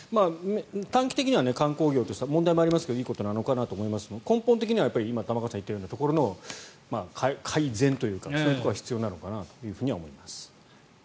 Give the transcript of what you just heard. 短期的には観光業としては問題もありますけどいいことなのかなと思いますが根本的には玉川さんが言ったところの改善というかそういうところが必要なのかなと思います。